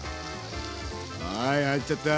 はい入っちゃった。